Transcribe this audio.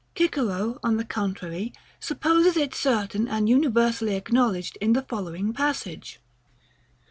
Cicero, on the contrary, supposes it certain and universally acknowledged in the following passage.